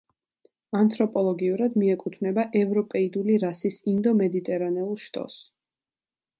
ანთროპოლოგიურად მიეკუთვნება ევროპეიდული რასის ინდო-მედიტერანეულ შტოს.